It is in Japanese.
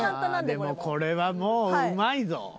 でもこれはもううまいぞ。